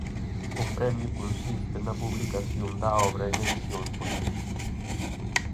O premio consiste na publicación da obra en Edicións Positivas.